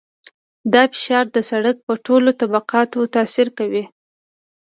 دا فشار د سرک په ټولو طبقاتو تاثیر کوي